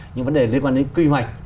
những vấn đề liên quan đến quy hoạch